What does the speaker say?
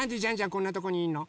こんなとこにいんの？